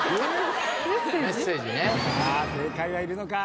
さあ正解はいるのか？